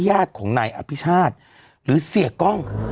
ญาติของนายอภิชาติหรือเสียกล้อง